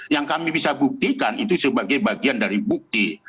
yang kami bisa buktikan itu sebagai bagian dari bukti